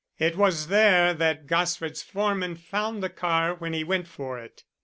It was there that Gosford's foreman found the car when he went for it.